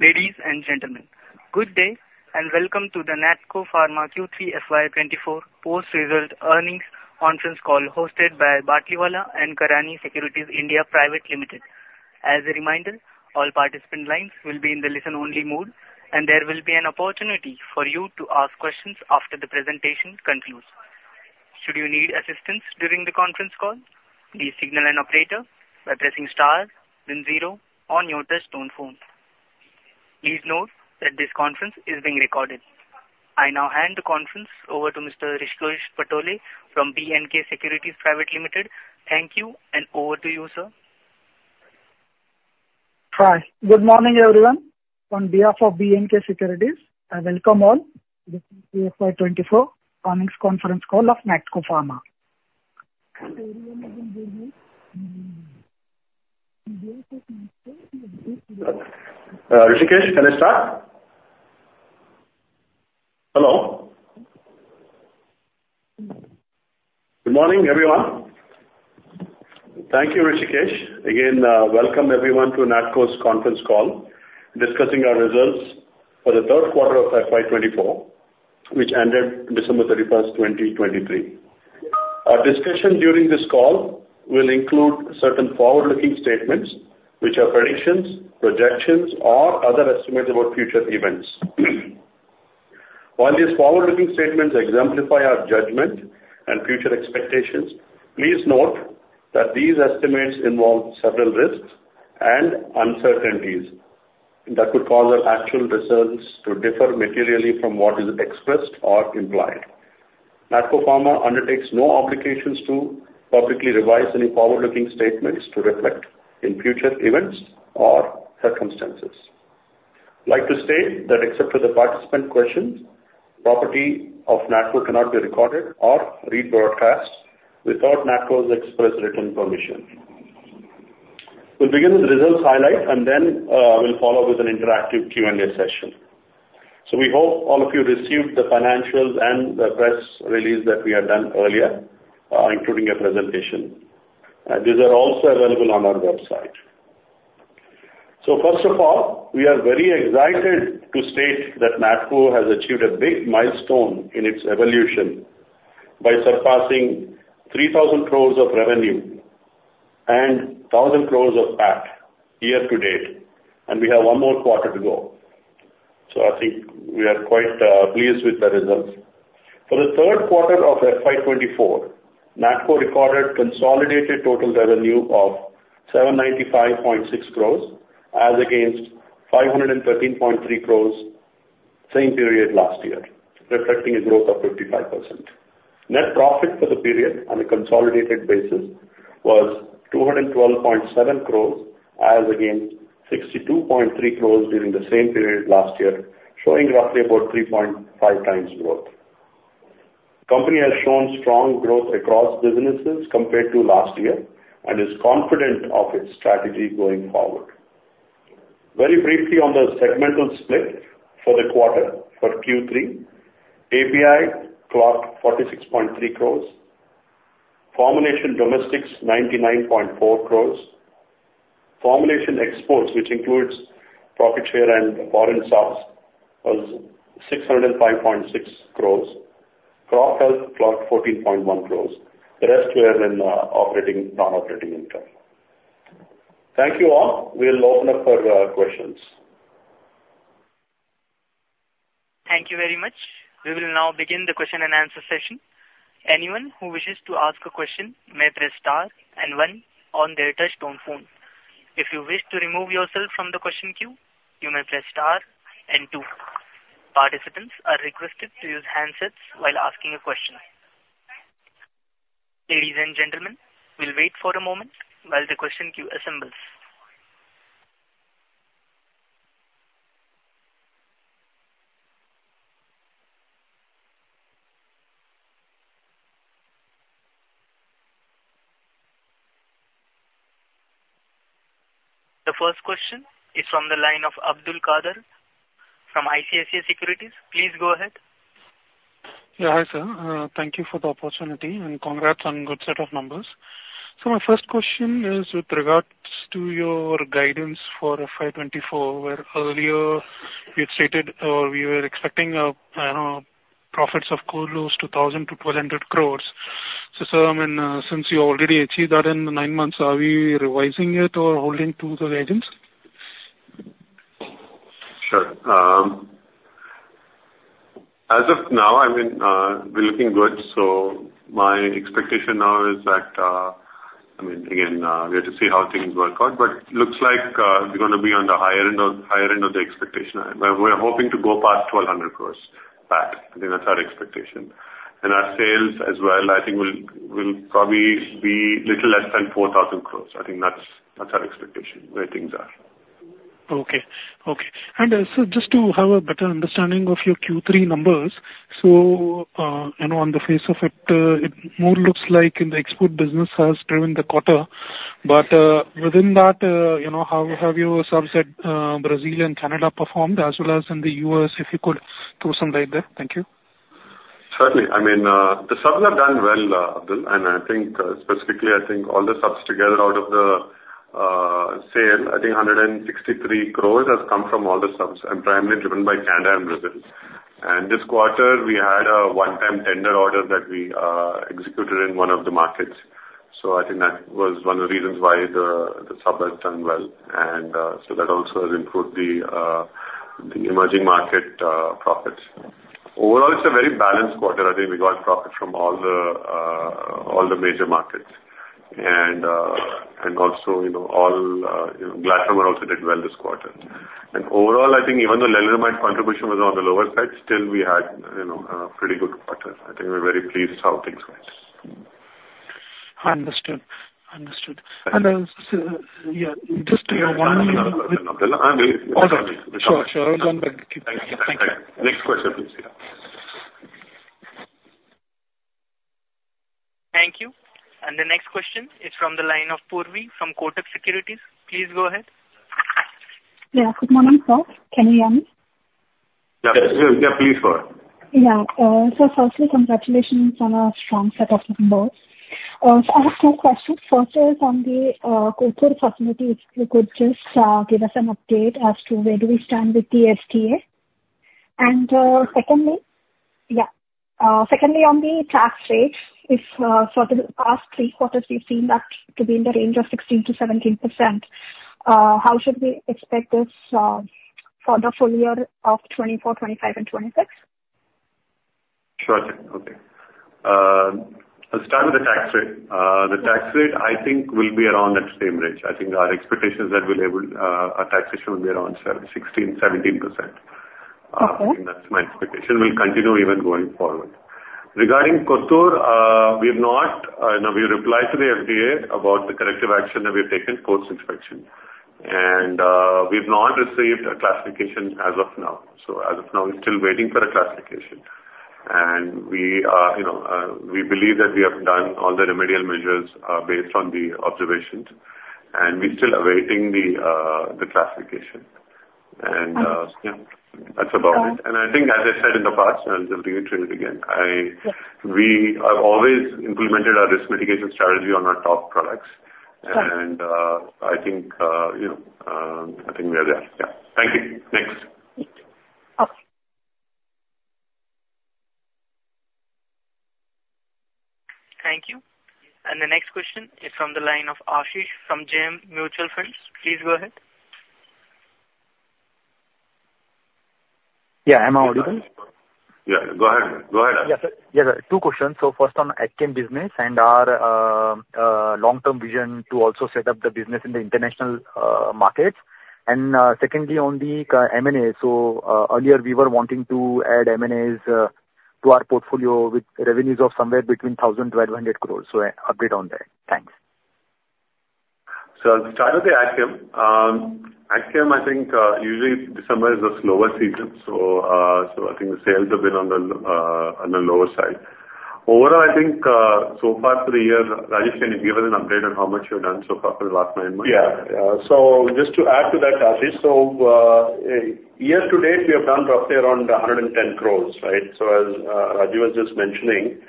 Ladies and gentlemen, good day and welcome to the NATCO Pharma Q3 FY 2024 Post-Result Earnings Conference Call hosted by Batlivala & Karani Securities India Private Limited. As a reminder, all participant lines will be in the listen-only mode, and there will be an opportunity for you to ask questions after the presentation concludes. Should you need assistance during the conference call, please signal an operator by pressing * then 0 on your touch-tone phone. Please note that this conference is being recorded. I now hand the conference over to Mr. Rishikesh Pothala from BNK Securities Private Limited. Thank you, and over to you, sir. Hi, good morning everyone. On behalf of BNK Securities, I welcome all to the Q3 FY 2024 Earnings Conference Call of NATCO Pharma. Rishikesh, can I start? Hello? Good morning everyone. Thank you, Rishikesh. Again, welcome everyone to NATCO's conference call discussing our results for the third quarter of FY 2024, which ended December 31, 2023. Our discussion during this call will include certain forward-looking statements, which are predictions, projections, or other estimates about future events. While these forward-looking statements exemplify our judgment and future expectations, please note that these estimates involve several risks and uncertainties that could cause our actual results to differ materially from what is expressed or implied. NATCO Pharma undertakes no obligations to publicly revise any forward-looking statements to reflect in future events or circumstances. I'd like to state that except for the participant questions, property of NATCO cannot be recorded or rebroadcast without NATCO's express written permission. We'll begin with the results highlight, and then we'll follow with an interactive Q&A session. So we hope all of you received the financials and the press release that we had done earlier, including a presentation. These are also available on our website. So first of all, we are very excited to state that NATCO has achieved a big milestone in its evolution by surpassing 3,000 crores of revenue and 1,000 crores of PAT year to date, and we have one more quarter to go. So I think we are quite pleased with the results. For the third quarter of FY 2024, NATCO recorded consolidated total revenue of 795.6 crores as against 513.3 crores same period last year, reflecting a growth of 55%. Net profit for the period on a consolidated basis was 212.7 crores as against 62.3 crores during the same period last year, showing roughly about 3.5 times growth. The company has shown strong growth across businesses compared to last year and is confident of its strategy going forward. Very briefly on the segmental split for the quarter for Q3, API clocked 46.3 crores, formulation domestics 99.4 crores, formulation exports, which includes profit share and foreign subs, was 605.6 crores, crop health clocked 14.1 crores. The rest were in non-operating income. Thank you all. We'll open up for questions. Thank you very much. We will now begin the question-and-answer session. Anyone who wishes to ask a question may press * and 1 on their touch-tone phone. If you wish to remove yourself from the question queue, you may press * and 2. Participants are requested to use handsets while asking a question. Ladies and gentlemen, we'll wait for a moment while the question queue assembles. The first question is from the line of Abdul Kader from ICICI Securities. Please go ahead. Yeah, hi sir. Thank you for the opportunity, and congrats on a good set of numbers. So my first question is with regards to your guidance for FY 2024, where earlier you had stated we were expecting profits of close to 1,000 crores-1,200 crores. So sir, I mean, since you already achieved that in nine months, are we revising it or holding to the guidance? Sure. As of now, I mean, we're looking good. So my expectation now is that I mean, again, we have to see how things work out, but it looks like we're going to be on the higher end of the expectation. We're hoping to go past 1,200 crores PAT. I think that's our expectation. And our sales as well, I think, will probably be a little less than 4,000 crores. I think that's our expectation where things are. Okay. Okay. And so just to have a better understanding of your Q3 numbers, so on the face of it, it more looks like the export business has driven the quarter. But within that, how have your subs at Brazil and Canada performed, as well as in the US, if you could throw some light there? Thank you. Certainly. I mean, the subs have done well, Abdul. Specifically, I think all the subs together out of the sale, I think 163 crore has come from all the subs and primarily driven by Canada and Brazil. This quarter, we had a one-time tender order that we executed in one of the markets. So I think that was one of the reasons why the sub has done well. And so that also has improved the emerging market profits. Overall, it's a very balanced quarter. I think we got profit from all the major markets. And also, all the pharma also did well this quarter. And overall, I think even though lenalidomide contribution was on the lower side, still we had a pretty good quarter. I think we're very pleased how things went. Understood. Understood. And yeah, just one minute. Abdul Kader, I'm really sorry. Oh, go ahead. Sure, sure. I'll go on back. Thank you. Thank you. Next question, please. Yeah. Thank you. And the next question is from the line of Purvi from Kotak Securities. Please go ahead. Yeah, good morning, sir. Can you hear me? Yeah, please go ahead. Yeah. So firstly, congratulations on a strong set of numbers. So I have two questions. First is on the Kothur facilities, if you could just give us an update as to where do we stand with the STA. And secondly yeah, secondly, on the tax rate, for the past three quarters, we've seen that to be in the range of 16%-17%. How should we expect this for the full year of 2024, 2025, and 2026? Sure, sir. Okay. Let's start with the tax rate. The tax rate, I think, will be around that same range. I think our expectations that we'll have our taxation will be around 16%-17%. I think that's my expectation. We'll continue even going forward. Regarding Kothur, we have not. Now, we replied to the FDA about the corrective action that we've taken post-inspection. And we've not received a classification as of now. So as of now, we're still waiting for a classification. And we believe that we have done all the remedial measures based on the observations. And we're still awaiting the classification. And yeah, that's about it. And I think, as I said in the past and I'll reiterate it again, we have always implemented our risk mitigation strategy on our top products. And I think we are there. Yeah. Thank you. Next. Okay. Thank you. The next question is from the line of Ashish from JM Mutual Funds. Please go ahead. Yeah, am I audible? Yeah, go ahead. Go ahead, Ashish. Yeah, sir. Yeah, sir. Two questions. So first, on agchem business and our long-term vision to also set up the business in the international markets. And secondly, on the M&A. So earlier, we were wanting to add M&As to our portfolio with revenues of somewhere between 1,000-1,200 crores. So update on that. Thanks. So I'll start with the agchem. Agchem, I think, usually December is the slower season. So I think the sales have been on the lower side. Overall, I think so far for the year, Rajesh, can you give us an update on how much you've done so far for the last nine months? Yeah. So just to add to that, Ashish, so year to date, we have done roughly around 110 crore, right? So as Rajeev was just mentioning,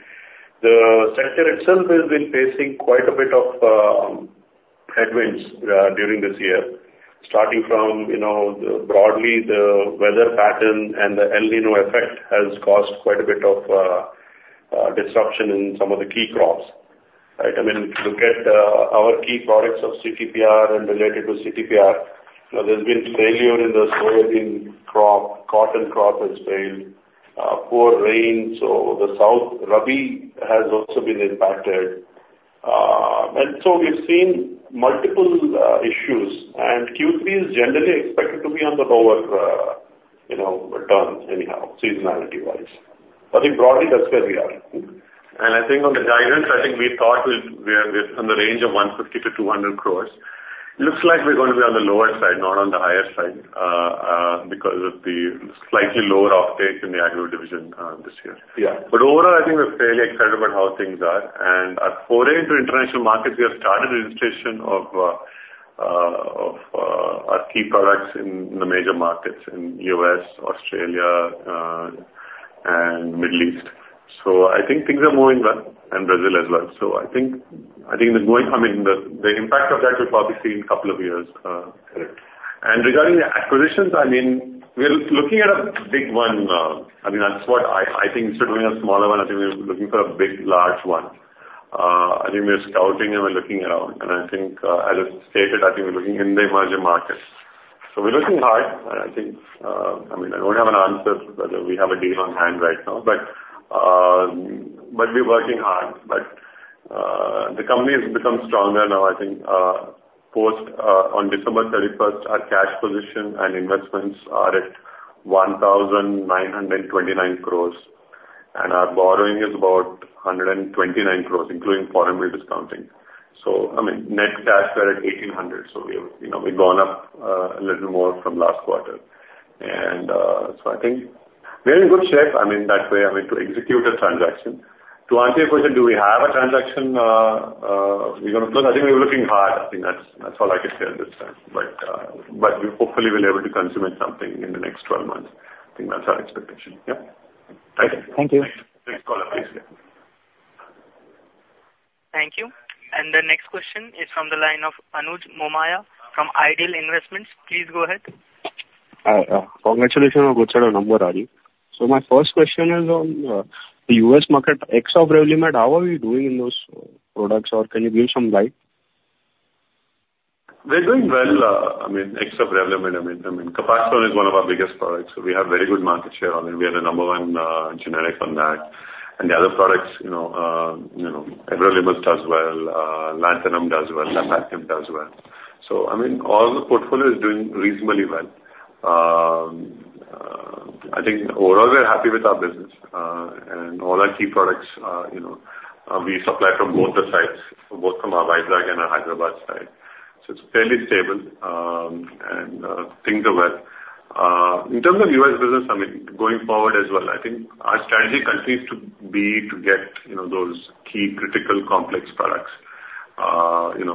the sector itself has been facing quite a bit of headwinds during this year, starting from broadly, the weather pattern and the El Niño effect has caused quite a bit of disruption in some of the key crops, right? I mean, if you look at our key products of CTPR and related to CTPR, there's been failure in the soybean crop. Cotton crop has failed. Poor rain. So the rabi has also been impacted. And so we've seen multiple issues. And Q3 is generally expected to be on the lower turn anyhow, seasonality-wise. But I think broadly, that's where we are. And I think on the guidance, I think we thought we're on the range of 150 crore-200 crore. It looks like we're going to be on the lower side, not on the higher side because of the slightly lower uptake in the agro division this year. Overall, I think we're fairly excited about how things are. Our foray to international markets, we have started registration of our key products in the major markets in U.S., Australia, and Middle East. I think things are moving well, and Brazil as well. I think the going I mean, the impact of that we'll probably see in a couple of years. Regarding the acquisitions, I mean, we're looking at a big one. I mean, that's what I think instead of doing a smaller one, I think we're looking for a big, large one. I think we're scouting and we're looking around. I think, as I stated, I think we're looking in the emerging markets. So we're looking hard, I think. I mean, I don't have an answer whether we have a deal on hand right now, but we're working hard. But the company has become stronger now, I think. On December 31st, our cash position and investments are at 1,929 crores. And our borrowing is about 129 crores, including foreign bill discounting. So I mean, net cash, we're at 1,800 crores. So we've gone up a little more from last quarter. And so I think we're in good shape, I mean, that way, I mean, to execute a transaction. To answer your question, do we have a transaction we're going to close? I think we're looking hard. I think that's all I can say at this time. But hopefully, we'll be able to consume something in the next 12 months. I think that's our expectation. Yeah. Thank you. Thank you. Thank you. Next caller, please. Yeah. Thank you. The next question is from the line of Anuj Momaya from Ideal Investments. Please go ahead. Congratulations. I'm going to set a number, Rajeev. So my first question is on the U.S. market, sales of Revlimid, how are we doing in those products, or can you shed some light? We're doing well. I mean, sales of Revlimid, I mean, Copaxone is one of our biggest products. So we have very good market share on it. We are the number one generic on that. And the other products, everolimus does well, lanthanum does well, Lamictal does well. So I mean, all the portfolio is doing reasonably well. I think overall, we're happy with our business. And all our key products, we supply from both the sides, both from our Vizag and our Hyderabad side. So it's fairly stable, and things are well. In terms of U.S. business, I mean, going forward as well, I think our strategy continues to be to get those key, critical, complex products.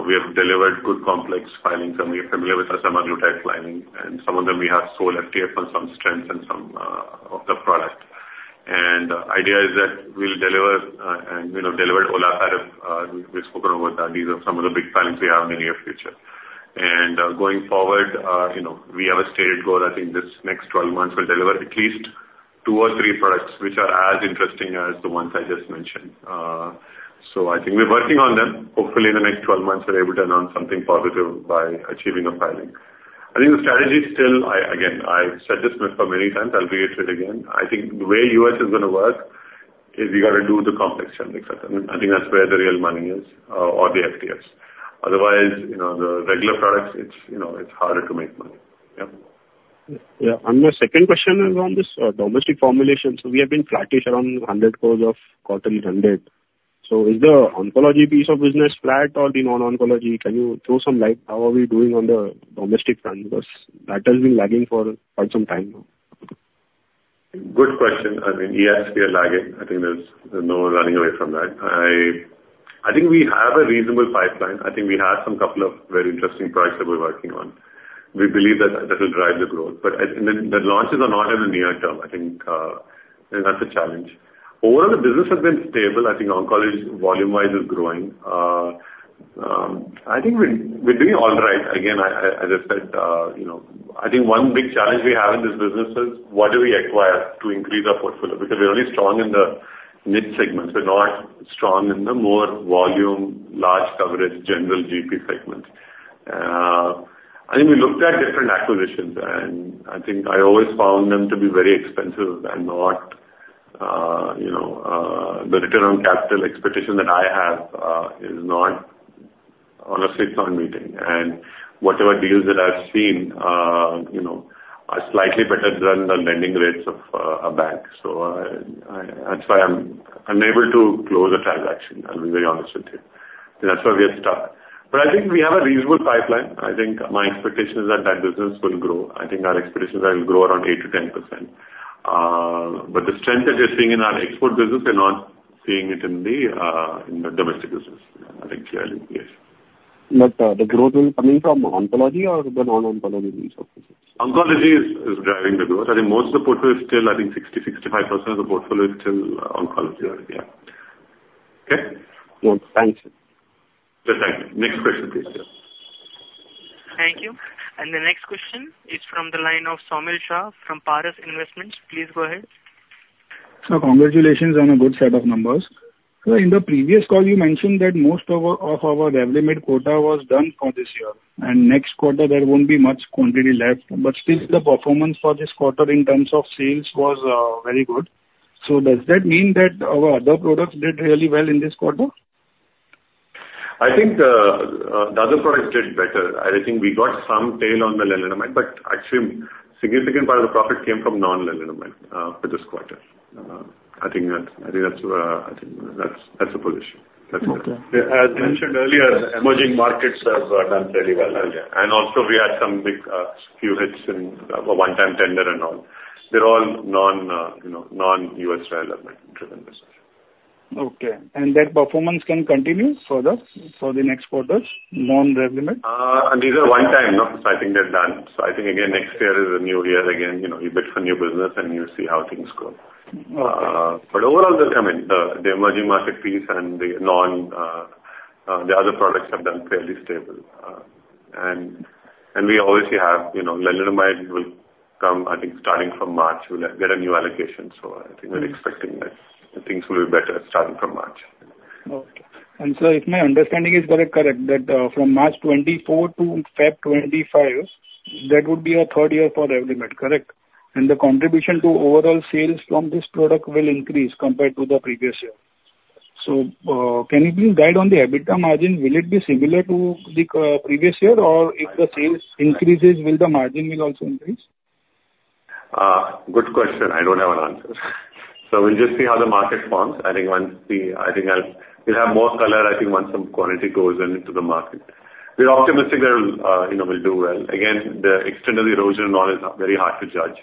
We have delivered good complex filings. I mean, you're familiar with semaglutide filing. And some of them, we have sold FTF on some strengths and some of the product. The idea is that we'll deliver and delivered olaparib. We've spoken over that. These are some of the big filings we have in the near future. Going forward, we have a stated goal. I think this next 12 months, we'll deliver at least 2 or 3 products which are as interesting as the ones I just mentioned. So I think we're working on them. Hopefully, in the next 12 months, we're able to announce something positive by achieving a filing. I think the strategy still again, I've said this for many times. I'll reiterate it again. I think the way U.S. is going to work is you got to do the complex generics. I think that's where the real money is or the FTFs. Otherwise, the regular products, it's harder to make money. Yeah. Yeah. My second question is on this domestic formulation. We have been flatish around 100 crore quarterly 100 crore. Is the oncology piece of business flat or the non-oncology? Can you throw some light? How are we doing on the domestic front? Because that has been lagging for quite some time now. Good question. I mean, yes, we are lagging. I think there's no running away from that. I think we have a reasonable pipeline. I think we have some couple of very interesting products that we're working on. We believe that that will drive the growth. But the launches are not in the near-term, I think. And that's a challenge. Overall, the business has been stable. I think oncology, volume-wise, is growing. I think we're doing all right. Again, as I said, I think one big challenge we have in this business is what do we acquire to increase our portfolio? Because we're only strong in the mid-segments. We're not strong in the more volume, large coverage, general GP segments. I think we looked at different acquisitions, and I think I always found them to be very expensive and not the return on capital expectation that I have is not on a sit-on-meeting. Whatever deals that I've seen are slightly better than the lending rates of a bank. So that's why I'm unable to close a transaction. I'll be very honest with you. That's where we are stuck. I think we have a reasonable pipeline. I think my expectation is that that business will grow. I think our expectations are it'll grow around 8%-10%. The strength that you're seeing in our export business, we're not seeing it in the domestic business, I think, clearly. Yes. But the growth will be coming from oncology or the non-oncology piece of business? Oncology is driving the growth. I think most of the portfolio is still I think 60%-65% of the portfolio is still oncology. Yeah. Okay? Yeah. Thanks. Yeah. Thank you. Next question, please. Yeah. Thank you. The next question is from the line of Somil Shah from Paras Investments. Please go ahead. Congratulations on a good set of numbers. In the previous call, you mentioned that most of our Revlimid quota was done for this year. Next quarter, there won't be much quantity left. Still, the performance for this quarter in terms of sales was very good. Does that mean that our other products did really well in this quarter? I think the other products did better. I think we got some tail on the lenalidomide. But actually, a significant part of the profit came from non-lenalidomide for this quarter. I think that's where I think that's the position. That's where it is. Okay. As mentioned earlier, the emerging markets have done fairly well. Yeah. Yeah. And also, we had some big few hits in one-time tender and all. They're all non-U.S. development-driven business. Okay. That performance can continue further for the next quarters, non-Revlimid? These are one-time, no? I think they're done. I think, again, next year is a new year. Again, you bid for new business, and you see how things go. But overall, I mean, the emerging market piece and the other products have done fairly stable. And we obviously have lenalidomide will come, I think, starting from March. We'll get a new allocation. I think we're expecting that things will be better starting from March. Okay. And so if my understanding is correct, correct, that from March 2024-February 2025, that would be your third year for Revlimid, correct? And the contribution to overall sales from this product will increase compared to the previous year. So can you please guide on the EBITDA margin? Will it be similar to the previous year, or if the sales increases, will the margin also increase? Good question. I don't have an answer. So we'll just see how the market forms. I think once, I think we'll have more color, I think, once some quantity goes into the market. We're optimistic that it will do well. Again, the extent of the erosion and all is very hard to judge.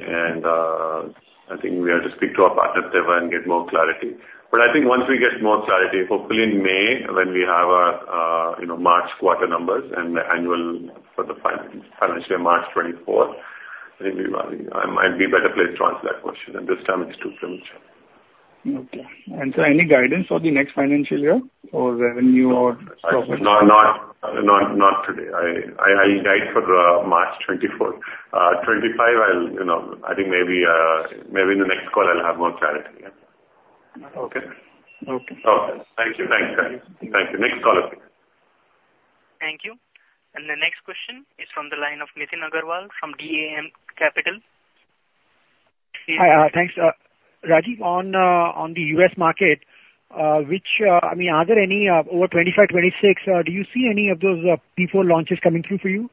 And I think we have to speak to our partner, Teva, and get more clarity. But I think once we get more clarity, hopefully, in May, when we have our March quarter numbers and the annual for the financial year, March 2024, I think I might be better placed to answer that question. And this time, it's too premature. Okay. Any guidance for the next financial year or revenue or profit? Not today. I guide for March 2024, 2025, I think maybe in the next call, I'll have more clarity. Yeah. Okay? Okay. Okay. Thank you. Thanks. Thank you. Next caller, please. Thank you. The next question is from the line of Nitin Agarwal from DAM Capital. Hi. Thanks. Rajeev, on the U.S. market, which I mean, are there any over 25, 26? Do you see any of those P4 launches coming through for you?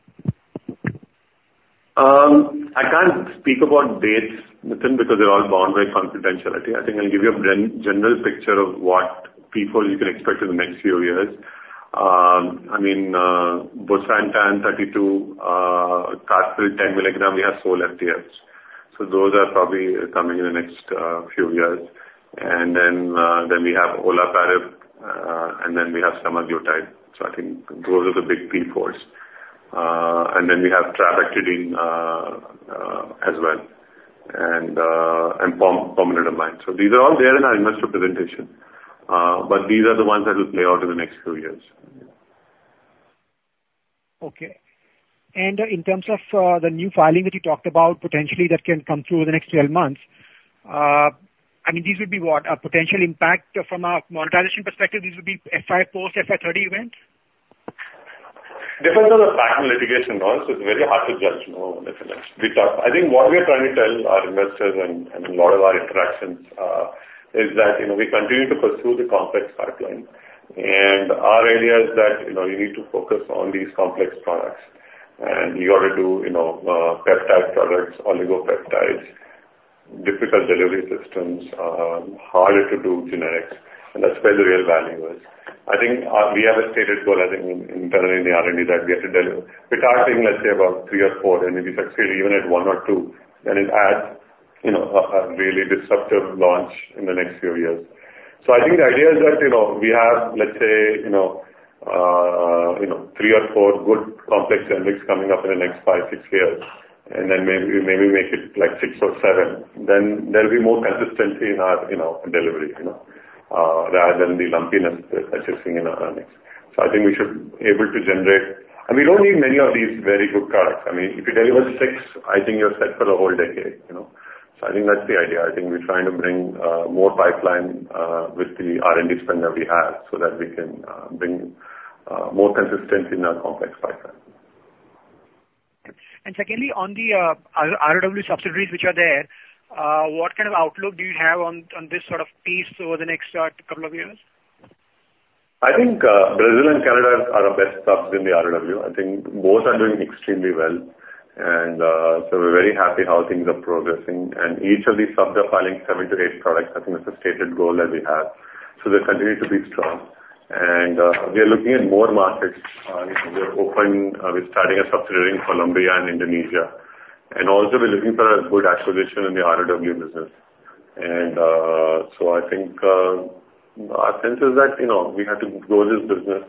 I can't speak about dates, Nitin, because they're all bound by confidentiality. I think I'll give you a general picture of what P4 you can expect in the next few years. I mean, bosutinib 32, carfilzomib 10 milligram, we have sold FTFs. So those are probably coming in the next few years. And then we have olaparib, and then we have semaglutide. So I think those are the big P4s. And then we have trabectedin as well and pomalidomide. So these are all there in our investor presentation. But these are the ones that will play out in the next few years. Okay. And in terms of the new filing that you talked about, potentially, that can come through in the next 12 months, I mean, these would be what? A potential impact from a monetization perspective, these would be FTF post-FTF 30 events? depends on the patent litigation also. It's very hard to judge now, Nitin. I think what we're trying to tell our investors and in a lot of our interactions is that we continue to pursue the complex pipeline. Our idea is that you need to focus on these complex products. And you got to do peptide products, oligonucleotides, difficult delivery systems, harder to do generics. And that's where the real value is. I think we have a stated goal, I think, internally in the R&D that we have to deliver. We're targeting, let's say, about three or four. And if we succeed even at one or two, then it adds a really disruptive launch in the next few years. So I think the idea is that we have, let's say, three or four good complex generics coming up in the next five, six years. And then maybe we make it 6 or 7. Then there'll be more consistency in our delivery rather than the lumpiness that you're seeing in our R&D. So I think we should be able to generate I mean, we don't need many of these very good products. I mean, if you deliver 6, I think you're set for the whole decade. So I think that's the idea. I think we're trying to bring more pipeline with the R&D spend that we have so that we can bring more consistency in our complex pipeline. Secondly, on the ROW subsidiaries which are there, what kind of outlook do you have on this sort of piece over the next couple of years? I think Brazil and Canada are the best subs in the ROW. I think both are doing extremely well. We're very happy how things are progressing. Each of these subs are filing 7-8 products. I think that's a stated goal that we have. They'll continue to be strong. We are looking at more markets. We're starting a subsidiary in Colombia and Indonesia. Also, we're looking for a good acquisition in the ROW business. I think our sense is that we have to grow this business.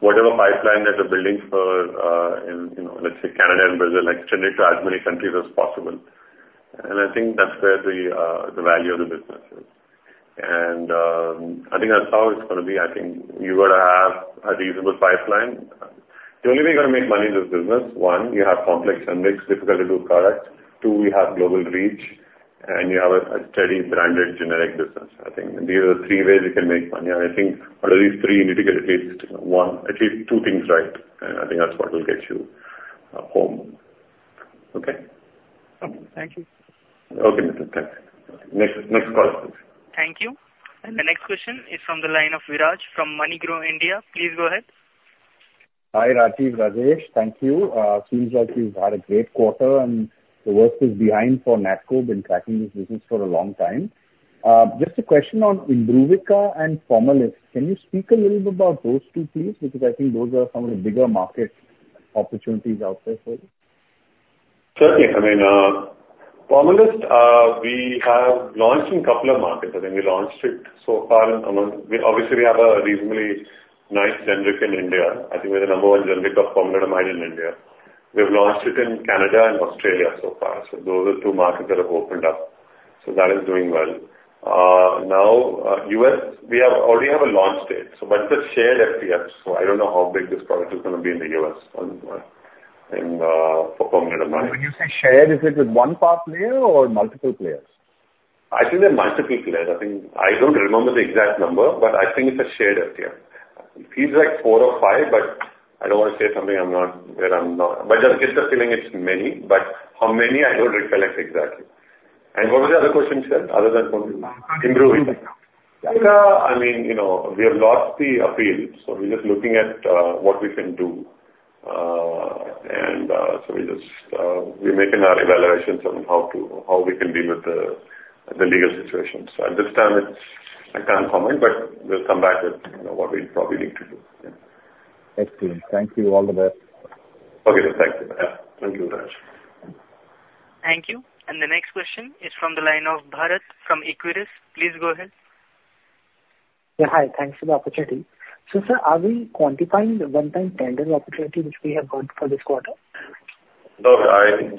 Whatever pipeline that we're building for, let's say, Canada and Brazil, extend it to as many countries as possible. I think that's where the value of the business is. I think that's how it's going to be. I think you got to have a reasonable pipeline. The only way you're going to make money in this business, one, you have complex generics, difficult-to-do products. Two, you have global reach, and you have a steady, branded generic business. I think these are the three ways you can make money. And I think out of these three, you need to get at least one, at least two things right. And I think that's what will get you home. Okay? Okay. Thank you. Okay, Nitin. Thanks. Next caller, please. Thank you. The next question is from the line of Viraj from MoneyGrow India. Please go ahead. Hi, Rajeev. Rajesh, thank you. Seems like you've had a great quarter, and the work is behind for Natco. Been tracking this business for a long time. Just a question on Imbruvica and Pomalyst. Can you speak a little bit about those two, please? Because I think those are some of the bigger market opportunities out there for you. Certainly. I mean, Pomalyst, we have launched in a couple of markets. I think we launched it so far in, obviously, we have a reasonably nice generic in India. I think we're the number one generic of pomalidomide in India. We've launched it in Canada and Australia so far. So those are two markets that have opened up. So that is doing well. Now, US, we already have a launch date. But it's a shared FTF. So I don't know how big this product is going to be in the U.S. for pomalidomide. When you say shared, is it with one part player or multiple players? I think there are multiple players. I don't remember the exact number, but I think it's a shared FTF. It seems like four or five, but I don't want to say something where I'm not but it just gives the feeling it's many. But how many, I don't recollect exactly. And what was the other question you said other than Imbruvica? Imbruvica, I mean, we have lost the appeal. So we're just looking at what we can do. And so we're making our evaluations on how we can deal with the legal situation. So at this time, I can't comment, but we'll come back with what we probably need to do. Yeah. Excellent. Thank you. All the best. Okay, then. Thank you. Yeah. Thank you, Raj. Thank you. And the next question is from the line of Bharat from Equirus. Please go ahead. Yeah. Hi. Thanks for the opportunity. So sir, are we quantifying the one-time tender opportunity which we have got for this quarter? No.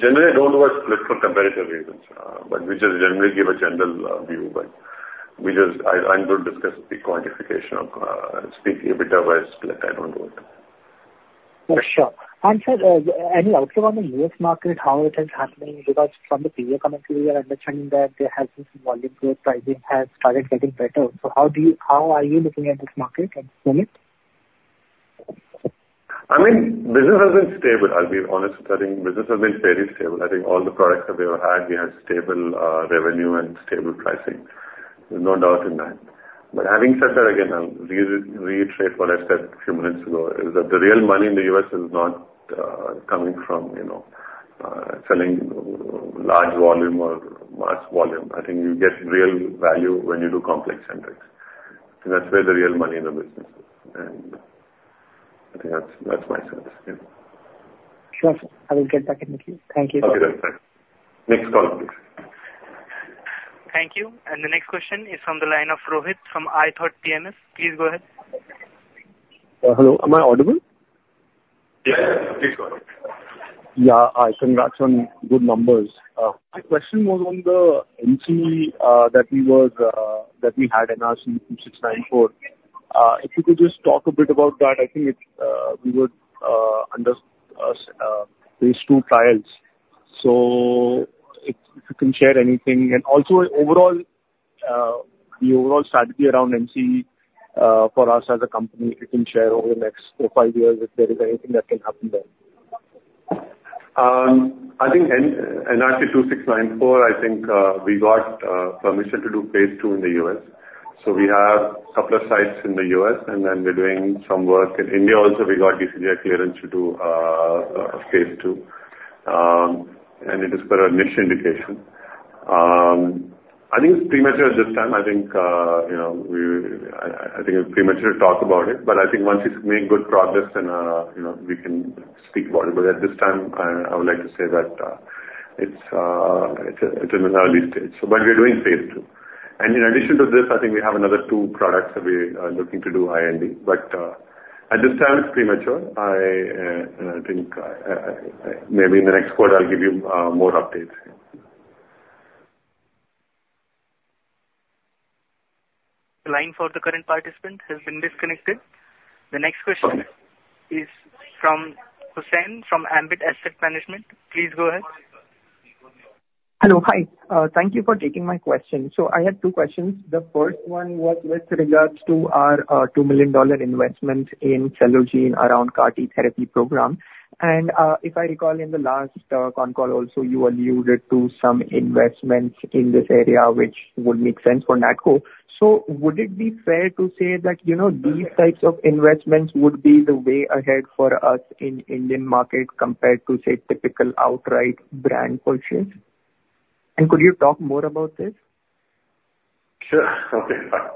Generally, I don't do a split for competitive reasons. But we just generally give a general view. But I'm going to discuss the quantification of speaking a bit of a split. I don't do it. For sure. And sir, any outlook on the U.S. market, how it is happening? Because from the previous commentary, we are understanding that there has been some volume growth. Pricing has started getting better. So how are you looking at this market at the moment? I mean, business has been stable. I'll be honest with you. I think business has been fairly stable. I think all the products that we've had, we had stable revenue and stable pricing. There's no doubt in that. But having said that, again, I'll reiterate what I said a few minutes ago, is that the real money in the U.S. is not coming from selling large volume or mass volume. I think you get real value when you do complex generics. I think that's where the real money in the business is. And I think that's my sense. Yeah. Sure. I will get back in with you. Thank you. Okay, then. Thanks. Next caller, please. Thank you. The next question is from the line of Rohit from iThought PMS. Please go ahead. Hello. Am I audible? Yes. Please go ahead. Yeah. Hi. Congrats on good numbers. My question was on the NCE that we had NRC-2694. If you could just talk a bit about that, I think we would face Phase II trials. So if you can share anything. And also, the overall strategy around NCE for us as a company, we can share over the next 4-5 years if there is anything that can happen there. I think NRC 2694, I think we got permission to do phase II in the U.S. So we have supplier sites in the U.S., and then we're doing some work in India also. We got DCGI clearance to do phase II. And it is per our niche indication. I think it's premature at this time. I think we I think it's premature to talk about it. But I think once we make good progress, then we can speak about it. But at this time, I would like to say that it's in an early stage. But we're doing phase II. And in addition to this, I think we have another two products that we are looking to do R&D. But at this time, it's premature. I think maybe in the next quarter, I'll give you more updates. The line for the current participant has been disconnected. The next question is from Hussain from Ambit Asset Management. Please go ahead. Hello. Hi. Thank you for taking my question. So I had two questions. The first one was with regards to our $2 million investment in Cellogen around CAR-T therapy program. And if I recall, in the last on-call also, you alluded to some investments in this area which would make sense for Natco. So would it be fair to say that these types of investments would be the way ahead for us in Indian market compared to, say, typical outright brand purchase? And could you talk more about this? Sure. Okay. Fine.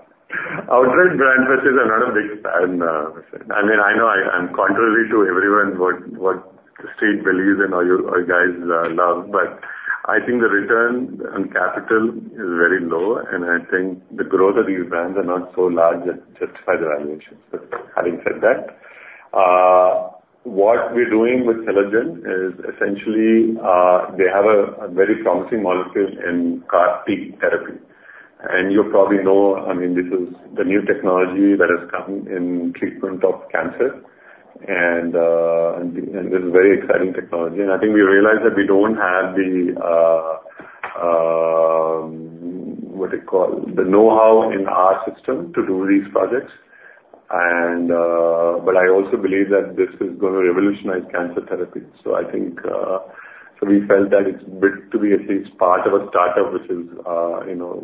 Outright brand purchase is not a big fan, Hussain. I mean, I know I'm contrary to everyone, what the street believes in or you guys love. But I think the return on capital is very low. And I think the growth of these brands are not so large that justify the valuation. So having said that, what we're doing with Cellogen is essentially, they have a very promising molecule in CAR-T therapy. And you probably know I mean, this is the new technology that has come in treatment of cancer. And this is a very exciting technology. And I think we realize that we don't have the - what do you call? - the know-how in our system to do these projects. But I also believe that this is going to revolutionize cancer therapy. So we felt that it's good to be at least part of a startup which is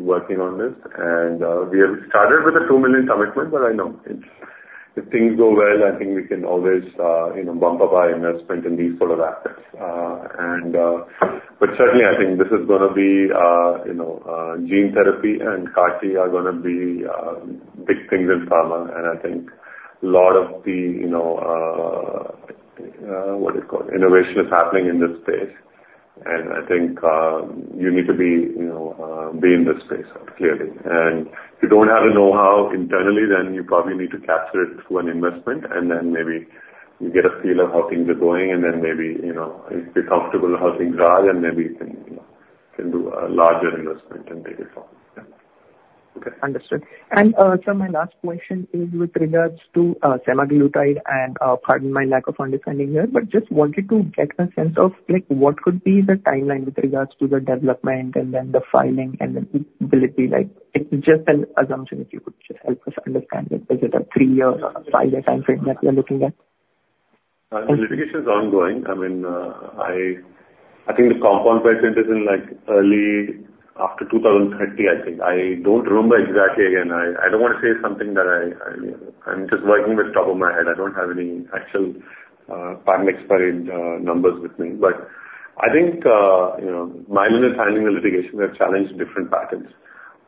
working on this. And we have started with a $2 million commitment. But I know if things go well, I think we can always bump up our investment in these sort of assets. But certainly, I think this is going to be gene therapy and CAR-T are going to be big things in pharma. And I think a lot of the - what do you call it? - innovation is happening in this space. And I think you need to be in this space clearly. And if you don't have the know-how internally, then you probably need to capture it through an investment. And then maybe you get a feel of how things are going. Then maybe if you're comfortable with how things are, then maybe you can do a larger investment and take it forward. Yeah. Okay. Understood. And sir, my last question is with regards to semaglutide and pardon my lack of understanding here, but just wanted to get a sense of what could be the timeline with regards to the development and then the filing and then will it be it's just an assumption if you could just help us understand. Is it a five-year or a five-year timeframe that we are looking at? The litigation is ongoing. I mean, I think the compound phase ended in early after 2030, I think. I don't remember exactly. Again, I don't want to say something that I'm just working with top of my head. I don't have any actual patent-expired numbers with me. But I think my limit handling the litigation, we have challenged different patents.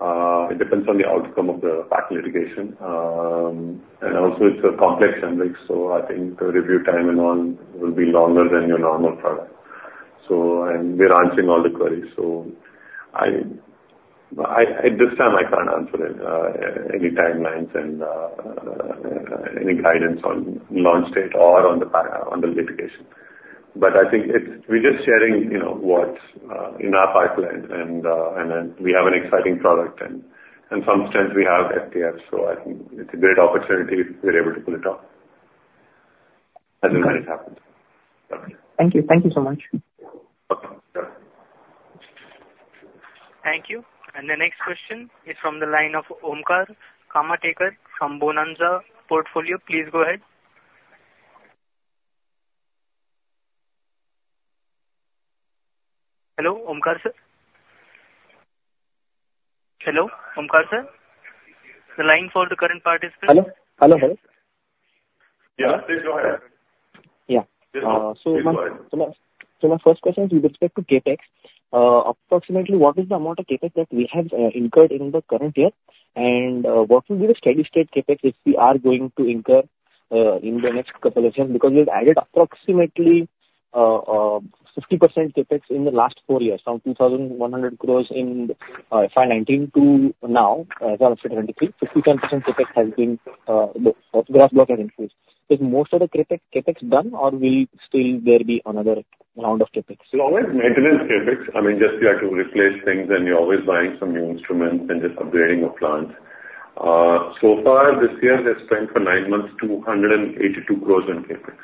It depends on the outcome of the patent litigation. And also, it's a complex generic. So I think the review time and all will be longer than your normal product. And we're answering all the queries. So at this time, I can't answer any timelines and any guidance on launch date or on the litigation. But I think we're just sharing what's in our pipeline. And we have an exciting product. And in some sense, we have FTF. I think it's a great opportunity if we're able to pull it off as and when it happens. Okay. Thank you. Thank you so much. Okay. Sure. Thank you. And the next question is from the line of Omkar Kamtekar from Bonanza Portfolio. Please go ahead. Hello, Omkar sir? Hello, Omkar sir? The line for the current participant? Hello. Hello. Hello. Yes. Please go ahead. Yeah. So my first question is with respect to CapEx. Approximately, what is the amount of CapEx that we have incurred in the current year? And what will be the steady state CapEx if we are going to incur in the next couple of years? Because we've added approximately 50% CapEx in the last four years, from 2,100 crores in FY 2019 to now, as of FY 2023, 57% CapEx has been the gross block has increased. Is most of the CapEx done, or will there be another round of CapEx? We always have maintenance CapEx. I mean, just you have to replace things, and you're always buying some new instruments and just upgrading your plants. So far, this year, we have spent for nine months 282 crores in CapEx.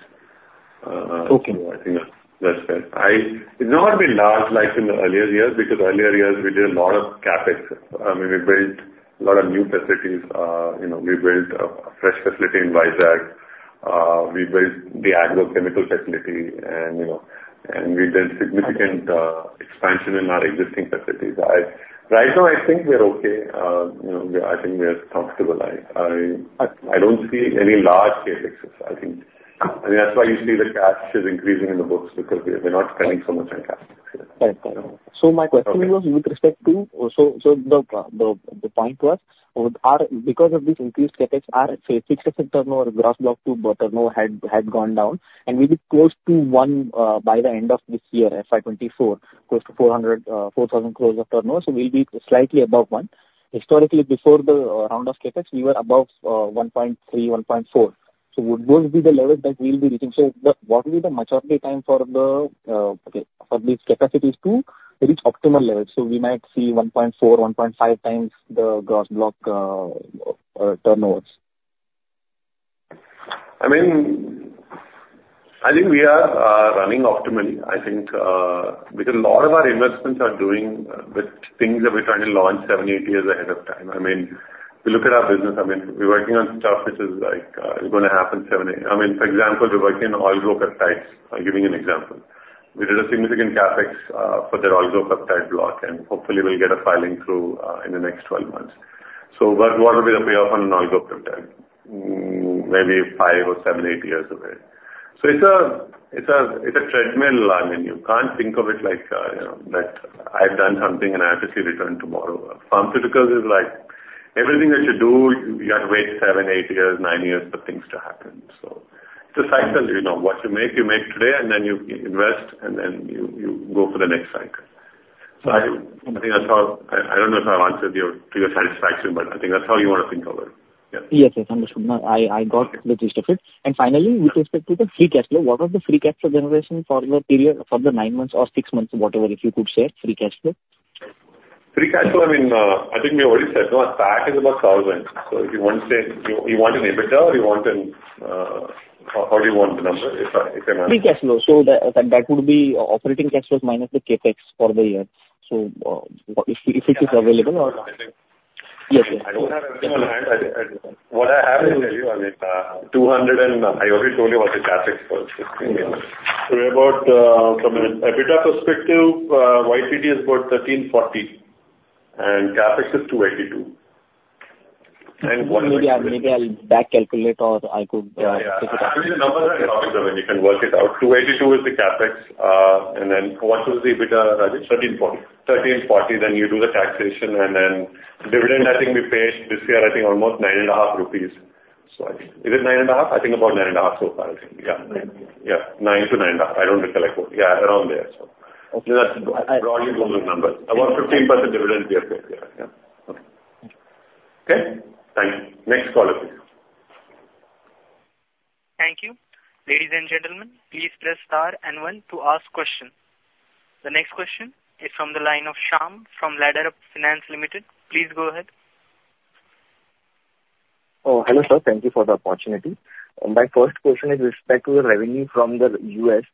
So I think that's fair. It's not been large like in the earlier years because earlier years, we did a lot of CapEx. I mean, we built a lot of new facilities. We built a fresh facility in Vizag. We built the agrochemical facility. And we did significant expansion in our existing facilities. Right now, I think we're okay. I think we are comfortable. I don't see any large CapExes. I mean, that's why you see the cash is increasing in the books because we're not spending so much on cash. Right. Right. So my question was with respect to so the point was, because of this increased CapEx, our fixed asset turnover gross block to turnover had gone down. And we'll be close to 1 by the end of this year, FY 2024, close to 4,000 crores of turnover. So we'll be slightly above 1. Historically, before the round of CapEx, we were above 1.3, 1.4. So would those be the levels that we'll be reaching? So what will be the maturity time for these capacities to reach optimal levels? So we might see 1.4, 1.5 times the gross block turnovers. I mean, I think we are running optimally because a lot of our investments are doing with things that we're trying to launch seven, eight years ahead of time. I mean, if you look at our business, I mean, we're working on stuff which is going to happen. I mean, for example, we're working on oligo peptides. I'm giving an example. We did a significant CapEx for the oligo peptide block. Hopefully, we'll get a filing through in the next 12 months. So what will be the payoff on an oligo peptide? Maybe five or seven, eight years away. So it's a treadmill. I mean, you can't think of it like that. I've done something, and I have to see return tomorrow. Pharmaceuticals is like everything that you do, you have to wait seven, eight years, nine years for things to happen. It's a cycle. What you make, you make today, and then you invest, and then you go for the next cycle. I think that's how. I don't know if I've answered to your satisfaction? But I think that's how you want to think about it. Yeah. Yes. Yes. Understood. I got the gist of it. And finally, with respect to the free cash flow, what was the free cash flow generation for the nine months or six months, whatever, if you could say, free cash flow? Free cash flow, I mean, I think we already said. No, a pack is about 1,000. So if you want to say you want an inhibitor or you want an how do you want the number, if I'm asking? Free cash flow. So that would be operating cash flows minus the CapEx for the year. So if it is available or. I don't have anything on hand. What I have is, I mean, 200 and I already told you about the CapEx first. From an EBITDA perspective, YTD is about 1,340. CapEx is 282. And what is the. Maybe I'll backcalculate, or I could take it out. Yeah. Yeah. I mean, the numbers are in the top line, though, and you can work it out. 282 is the CapEx. And then what was the EBITDA, Rajesh? 1,340. 1,340. Then you do the taxation. Then dividend, I think we paid this year, I think, almost 9.5 rupees. So is it 9.5? I think about 9.5 so far, I think. Yeah. Yeah. 9-9.5. I don't recollect what. Yeah. Around there, so. Okay. Broadly, those are the numbers. About 15% dividend we have paid. Yeah. Yeah. Okay. Okay. Okay? Thank you. Next caller, please. Thank you. Ladies and gentlemen, please press star and one to ask questions. The next question is from the line of Shyam from Ladderup Finance Limited. Please go ahead. Oh, hello, sir. Thank you for the opportunity. My first question is with respect to the revenue from the U.S.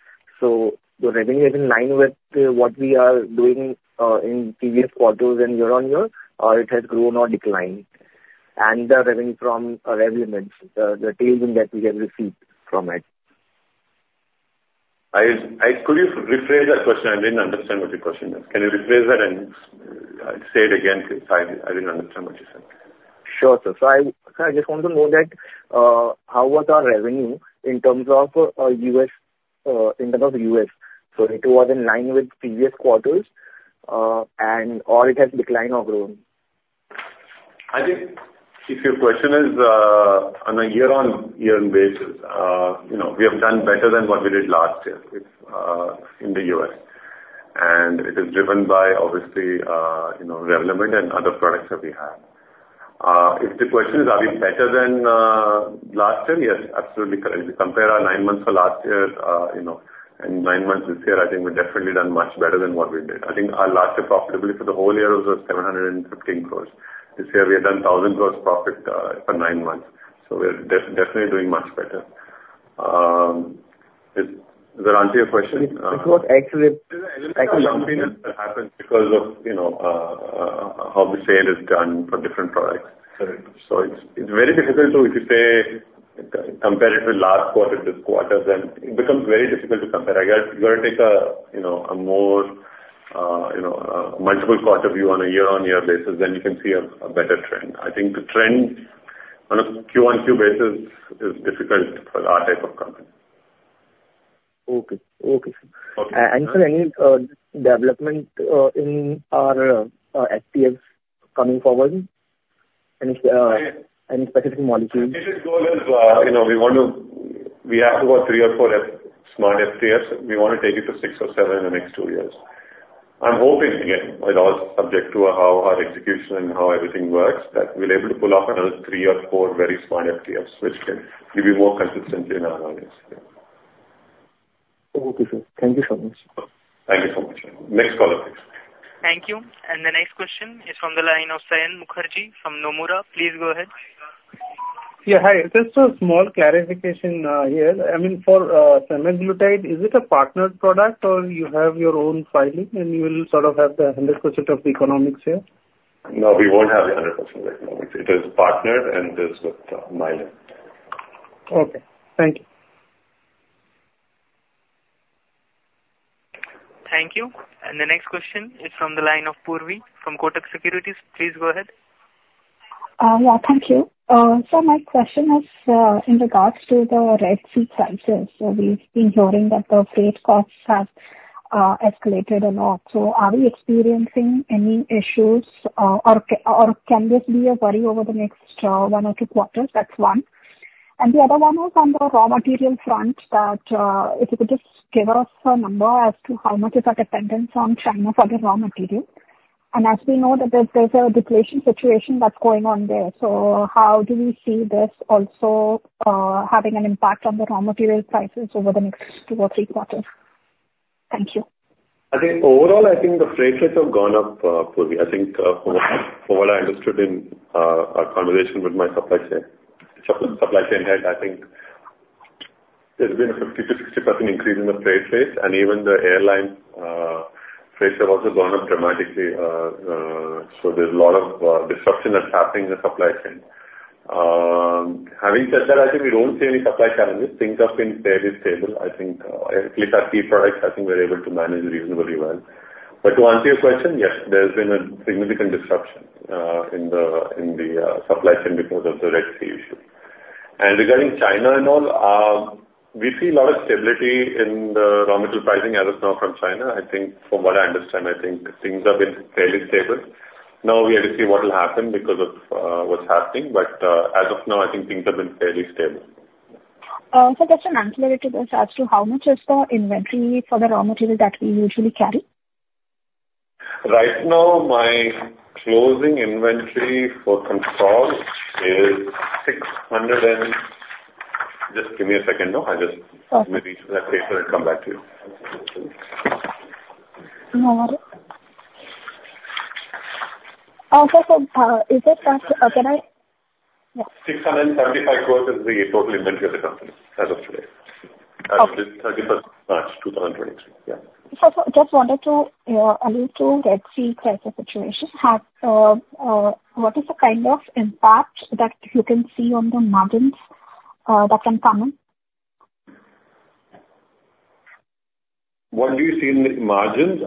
So the revenue has been in line with what we are doing in previous quarters and year-on-year, or it has grown or declined? And the revenue from Revlimid, the tailwinds that we have received from it. Could you rephrase that question? I didn't understand what your question is. Can you rephrase that and say it again because I didn't understand what you said? Sure, sir. So I just want to know that how was our revenue in terms of U.S. in terms of the U.S.? So it was in line with previous quarters, or it has declined or grown? I think if your question is on a year-over-year basis, we have done better than what we did last year in the U.S. And it is driven by, obviously, Revlimid and other products that we have. If the question is, are we better than last year? Yes, absolutely correct. If you compare our nine months for last year and nine months this year, I think we've definitely done much better than what we did. I think our last year profitability for the whole year was 715 crores. This year, we have done 1,000 crores profit for nine months. So we're definitely doing much better. Is that answer your question? It was actually something that happened because of how the sale is done for different products. So it's very difficult to, if you say, compare it to last quarter to this quarter, then it becomes very difficult to compare. You got to take a more multiple-quarter view on a year-on-year basis. Then you can see a better trend. I think the trend on a Q1/Q basis is difficult for that type of company. Okay. Okay. And sir, any development in our FTFs coming forward? Any specific molecules? I think the goal is we have about three or four smart FTFs. We want to take it to six or seven in the next two years. I'm hoping, again, it's all subject to how our execution and how everything works, that we'll be able to pull off another three or four very smart FTFs which can give you more consistency in our analytics. Okay, sir. Thank you so much. Thank you so much. Next caller, please. Thank you. The next question is from the line of Saion Mukherjee from Nomura. Please go ahead. Yeah. Hi. Just a small clarification here. I mean, for semaglutide, is it a partnered product, or you have your own filing, and you will sort of have the 100% of the economics here? No, we won't have the 100% of the economics. It is partnered, and it is with Mylan. Okay. Thank you. Thank you. The next question is from the line of Purvi from Kotak Securities. Please go ahead. Yeah. Thank you. Sir, my question is in regards to the Red Sea prices. So we've been hearing that the freight costs have escalated a lot. So are we experiencing any issues, or can this be a worry over the next 1 or 2 quarters? That's one. And the other one is on the raw material front that if you could just give us a number as to how much is our dependence on China for the raw material. And as we know that there's a deflation situation that's going on there, so how do we see this also having an impact on the raw material prices over the next 2 or 3 quarters? Thank you. Overall, I think the freight rates have gone up, Purvi. I think from what I understood in our conversation with my supply chain, I think there's been a 50%-60% increase in the freight rates. And even the airline freight rate has also gone up dramatically. So there's a lot of disruption that's happening in the supply chain. Having said that, I think we don't see any supply challenges. Things have been fairly stable. At least our key products, I think we're able to manage reasonably well. But to answer your question, yes, there's been a significant disruption in the supply chain because of the Red Sea issue. And regarding China and all, we see a lot of stability in the raw material pricing as of now from China. From what I understand, I think things have been fairly stable. Now, we have to see what will happen because of what's happening. But as of now, I think things have been fairly stable. Just to answer a little bit as to how much is the inventory for the raw material that we usually carry? Right now, my closing inventory for control is 600 and just give me a second, though. Let me read that paper and come back to you. No worries. Sir, so is it that can I? Yeah. 675 crore is the total inventory of the company as of today, 30th of March, 2023. Yeah. Sir, so I just wanted to allude to Red Sea price situation. What is the kind of impact that you can see on the margins that can come in? What do you see in the margins?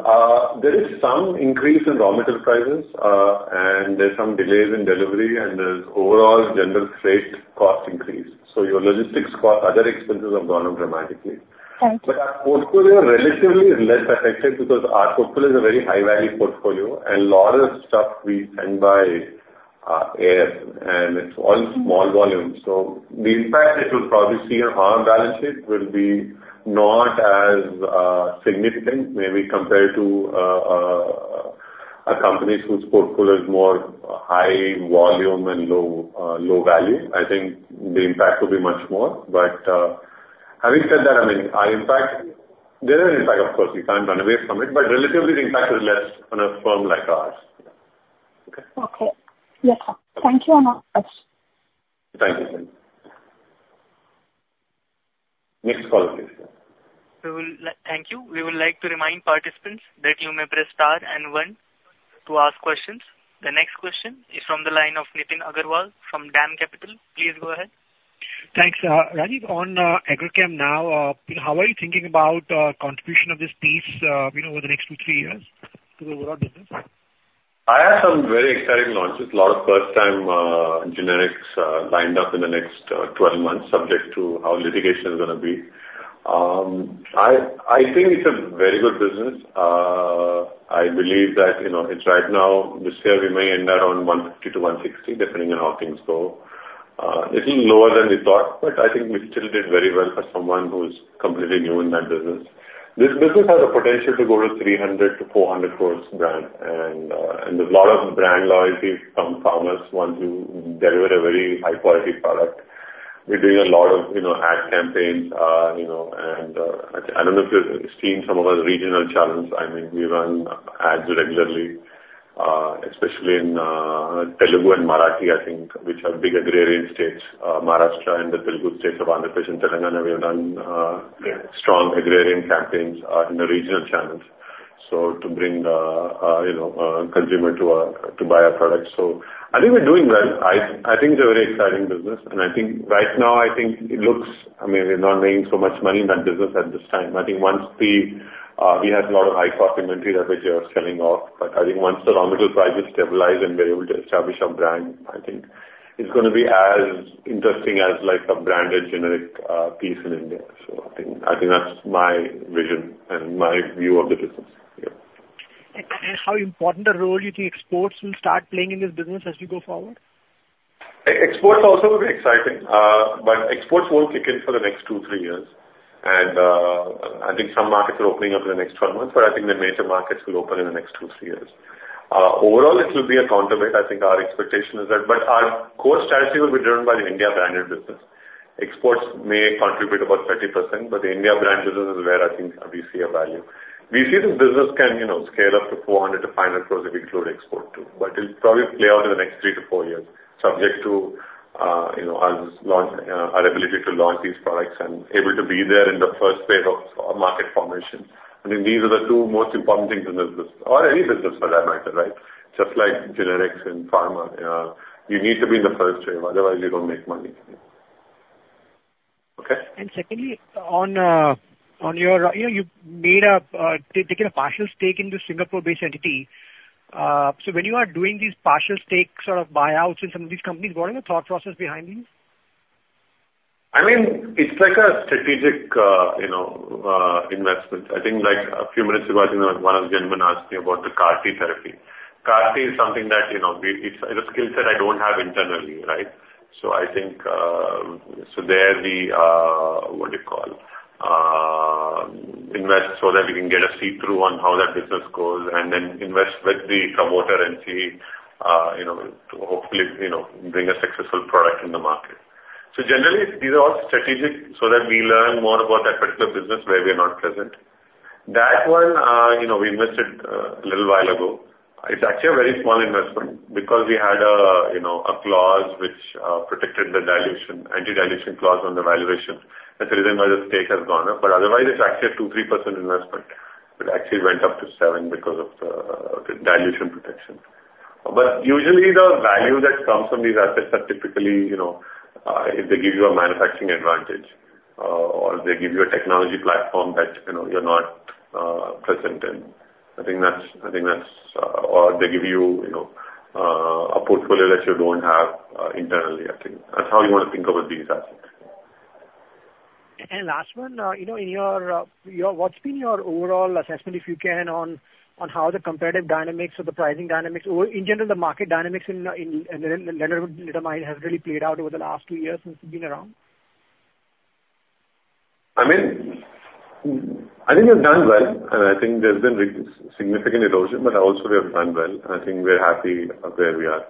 There is some increase in raw material prices, and there's some delays in delivery, and there's overall general freight cost increase. So your logistics cost, other expenses have gone up dramatically. But our portfolio relatively is less affected because our portfolio is a very high-value portfolio, and a lot of stuff we send by air, and it's all small volume. So the impact that you'll probably see on our balance sheet will be not as significant, maybe, compared to a company whose portfolio is more high volume and low value. I think the impact will be much more. But having said that, I mean, there is an impact, of course. You can't run away from it. But relatively, the impact is less on a firm like ours. Yeah. Okay? Okay. Yes, sir. Thank you and all. Thank you. Thank you. Next caller, please. Thank you. We would like to remind participants that you may press star and one to ask questions. The next question is from the line of Nitin Agarwal from DAM Capital. Please go ahead. Thanks, Rajesh. On AgroChem now, how are you thinking about contribution of this piece over the next 2-3 years to the overall business? I have some very exciting launches, a lot of first-time generics lined up in the next 12 months, subject to how litigation is going to be. I think it's a very good business. I believe that right now, this year, we may end up on 150 crores-160 crores, depending on how things go. It's a little lower than we thought, but I think we still did very well for someone who's completely new in that business. This business has the potential to go to 300 crores-400 crores brand. There's a lot of brand loyalty from farmers once you deliver a very high-quality product. We're doing a lot of ad campaigns. I don't know if you've seen some of our regional challenges. I mean, we run ads regularly, especially in Telugu and Marathi, I think, which are big agrarian states. Maharashtra and the Telugu states of Andhra Pradesh and Telangana, we have done strong agrarian campaigns in the regional channels to bring the consumer to buy our products. I think we're doing well. I think it's a very exciting business. Right now, I think it looks, I mean, we're not making so much money in that business at this time. I think once we have a lot of high-cost inventory that we're selling off, but I think once the raw material prices stabilize and we're able to establish our brand, I think it's going to be as interesting as a branded generic piece in India. I think that's my vision and my view of the business. Yeah. How important a role do you think exports will start playing in this business as we go forward? Exports also will be exciting, but exports won't kick in for the next 2-3 years. I think some markets are opening up in the next 12 months, but I think the major markets will open in the next 2-3 years. Overall, it will be a contribution. I think our expectation is that. But our core strategy will be driven by the India branded business. Exports may contribute about 30%, but the India brand business is where I think we see a value. We see this business can scale up to 400-500 crores if we include export too. But it'll probably play out in the next 3-4 years, subject to our ability to launch these products and able to be there in the first phase of market formation. I think these are the two most important things in this business, or any business for that matter, right? Just like generics and pharma, you need to be in the first wave. Otherwise, you don't make money. Okay? Secondly, on your, you've taken a partial stake in this Singapore-based entity. When you are doing these partial stake sort of buyouts in some of these companies, what is the thought process behind these? I mean, it's like a strategic investment. I think a few minutes ago, I think one of the gentlemen asked me about the CAR-T therapy. CAR-T is something that it's a skill set I don't have internally, right? So I think so they're the what do you call? Invest so that we can get a see-through on how that business goes and then invest with the promoter and see to hopefully bring a successful product in the market. So generally, these are all strategic so that we learn more about that particular business where we are not present. That one, we invested a little while ago. It's actually a very small investment because we had a clause which protected the dilution, anti-dilution clause on the valuation as a reason why the stake has gone up. But otherwise, it's actually a 2%-3% investment. It actually went up to seven because of the dilution protection. But usually, the value that comes from these assets are typically if they give you a manufacturing advantage or they give you a technology platform that you're not present in. I think that's or they give you a portfolio that you don't have internally, I think. That's how you want to think about these assets. Last one, what's been your overall assessment, if you can, on how the competitive dynamics or the pricing dynamics or, in general, the market dynamics in lenalidomide has really played out over the last two years since you've been around? I mean, I think we've done well. I think there's been significant erosion, but also, we have done well. I think we're happy where we are.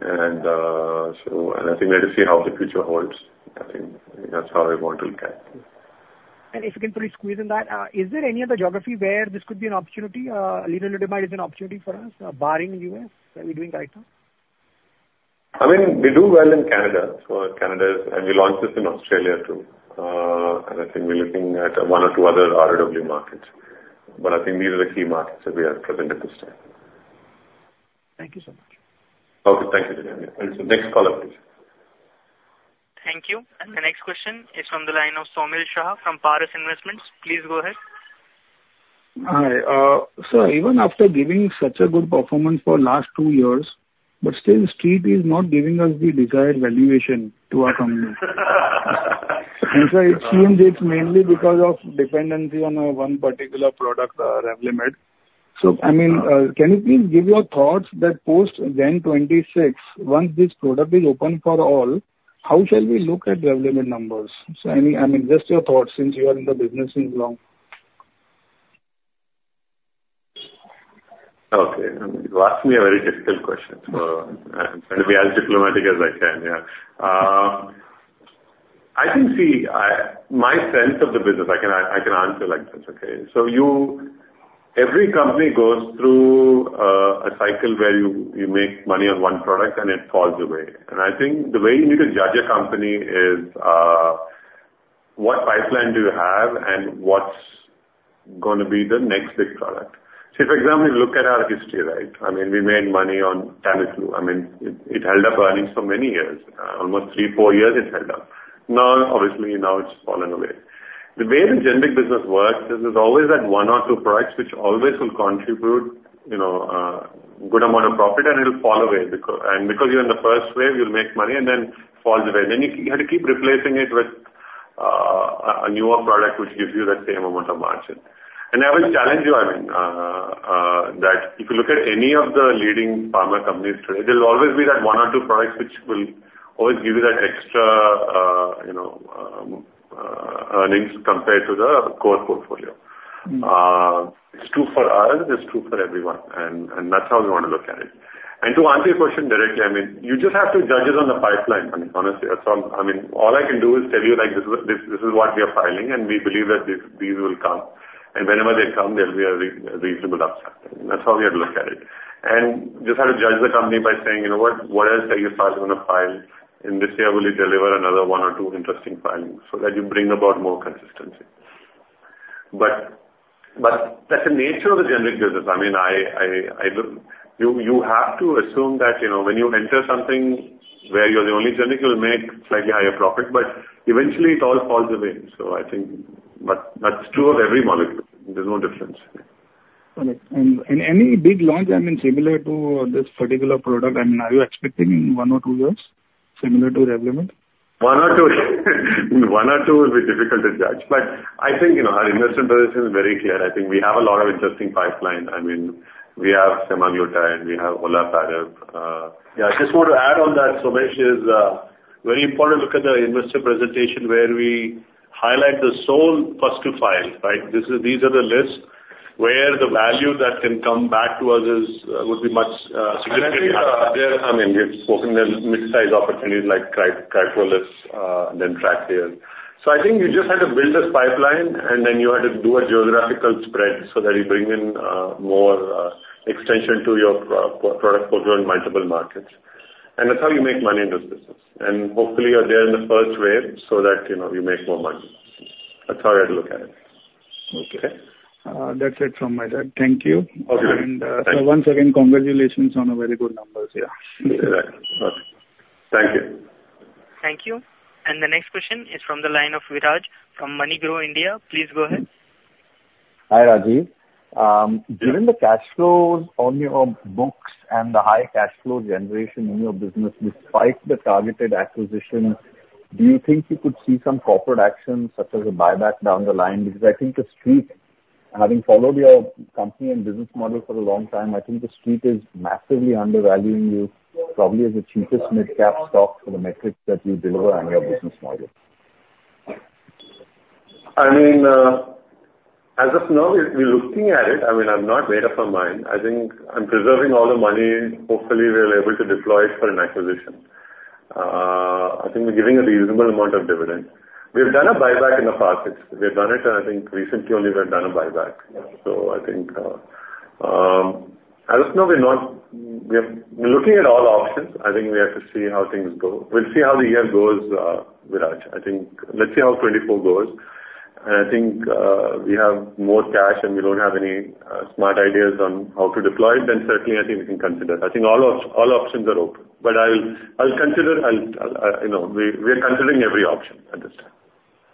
I think we have to see how the future holds. I think that's how I want to look at it. If you can put a squeeze in that, is there any other geography where this could be an opportunity? lenalidomide is an opportunity for us, barring the U.S. that we're doing right now. I mean, we do well in Canada. We launched this in Australia too. I think we're looking at one or two other ROW markets. But I think these are the key markets that we are present at this time. Thank you so much. Okay. Thank you, Jamie. Next caller, please. Thank you. And the next question is from the line of Somil Shah from Paras Investments. Please go ahead. Hi. Sir, even after giving such a good performance for the last two years, but still, the Street is not giving us the desired valuation to our company. And sir, it seems it's mainly because of dependency on one particular product, Revlimid. So I mean, can you please give your thoughts that post-'26, once this product is open for all, how shall we look at Revlimid numbers? So I mean, just your thoughts since you are in the business since long. Okay. You asked me a very difficult question. So I'm going to be as diplomatic as I can. Yeah. I think, see, my sense of the business I can answer like this, okay? So every company goes through a cycle where you make money on one product, and it falls away. And I think the way you need to judge a company is what pipeline do you have and what's going to be the next big product. See, for example, if you look at our history, right? I mean, we made money on Tamiflu. I mean, it held up earnings for many years. Almost 3-4 years, it held up. Now, obviously, now it's fallen away. The way the generic business works is there's always that one or two products which always will contribute a good amount of profit, and it'll fall away. And because you're in the first wave, you'll make money and then it falls away. Then you have to keep replacing it with a newer product which gives you that same amount of margin. And I will challenge you, I mean, that if you look at any of the leading pharma companies today, there'll always be that one or two products which will always give you that extra earnings compared to the core portfolio. It's true for us. It's true for everyone. And that's how we want to look at it. And to answer your question directly, I mean, you just have to judge it on the pipeline. I mean, honestly, I mean, all I can do is tell you like, "This is what we are filing, and we believe that these will come. And whenever they come, there'll be a reasonable upside." That's how we have to look at it. And you just have to judge the company by saying, "You know what? What else are you starting to file? And this year, will you deliver another 1 or 2 interesting filings?" so that you bring about more consistency. But that's the nature of the generic business. I mean, you have to assume that when you enter something where you're the only generic, you'll make slightly higher profit. But eventually, it all falls away. So I think that's true of every molecule. There's no difference. Got it. And any big launch, I mean, similar to this particular product, I mean, are you expecting in one or two years similar to Revlimid? One or two? One or two will be difficult to judge. But I think our investor position is very clear. I think we have a lot of interesting pipelines. I mean, we have semaglutide, and we have olaparib. Yeah. I just want to add on that. Somil, it is very important to look at the investor presentation where we highlight the sole first-to-file, right? These are the lists where the value that can come back to us would be much significantly higher. I mean, we've spoken of mid-size opportunities like carfilzomib and then trabectedin. So I think you just have to build this pipeline, and then you have to do a geographical spread so that you bring in more extension to your product portfolio in multiple markets. And that's how you make money in this business. And hopefully, you're there in the first wave so that you make more money. That's how I have to look at it. Okay. That's it from my side. Thank you. And sir, once again, congratulations on the very good numbers. Yeah. Exactly. Okay. Thank you. Thank you. The next question is from the line of Viraj from MoneyGrow India. Please go ahead. Hi, Rajesh. Given the cash flows on your books and the high cash flow generation in your business, despite the targeted acquisition, do you think you could see some corporate action such as a buyback down the line? Because I think the street, having followed your company and business model for a long time, I think the street is massively undervaluing you, probably as the cheapest mid-cap stock for the metrics that you deliver on your business model. I mean, as of now, we're looking at it. I mean, I've not made up my mind. I think I'm preserving all the money. Hopefully, we're able to deploy it for an acquisition. I think we're giving a reasonable amount of dividend. We have done a buyback in the past. We have done it. And I think recently, only we have done a buyback. So I think as of now, we're not looking at all options. I think we have to see how things go. We'll see how the year goes, Viraj. Let's see how 2024 goes. And I think we have more cash, and we don't have any smart ideas on how to deploy it. Then certainly, I think we can consider it. I think all options are open. But I'll consider we are considering every option at this time.